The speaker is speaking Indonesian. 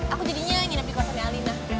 aku jadinya yang nginep di kosannya alina